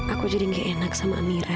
aku jadi gak enak sama mira